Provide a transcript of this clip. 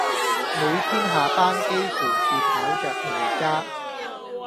每天下班幾乎是跑著回家